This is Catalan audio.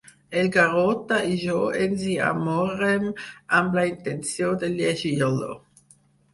El Garota i jo ens hi amorrem amb la intenció de llegir-lo.